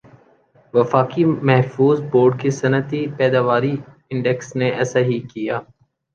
وفاقی محفوظہ بورڈ کے صنعتی پیداواری انڈیکس نے ایسا ہی کِیا